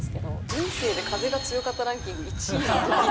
人生で風が強かったランキング１位で。